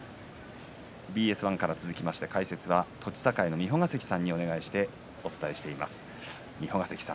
ＢＳ１から続きまして解説は栃栄の三保ヶ関さんにお願いしています。